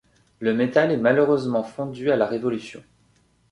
Le métal est malheureusement fondu à la révolution.